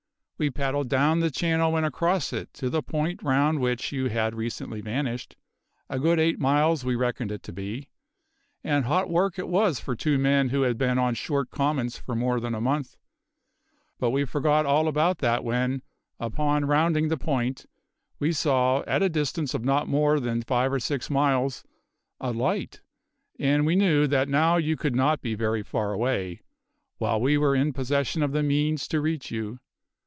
We paddled down the channel and across it to the point round which you had recently vanished a good eight miles we reckoned it to be and hot work it was for two men who had been on short commons for more than a month; but we forgot all about that when, upon rounding the point, we saw, at a distance of not more than five or six miles, a light; and we knew that now you could not be very far away, while we were in possession of the means to reach you.